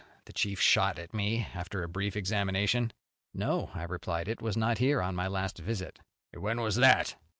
the chief shot at me after a brief examination. "No," I replied. "It was not here on my last visit." "When was that?"